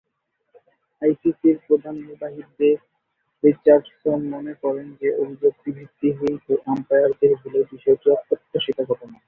আইসিসি’র প্রধান নির্বাহী Dave Richardson মনে করেন যে, অভিযোগটি ভিত্তিহীন ও আম্পায়ারদের ভুলের বিষয়টি অপ্রত্যাশিত ঘটনা।